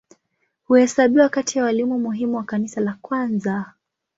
Huhesabiwa kati ya walimu muhimu wa Kanisa la kwanza.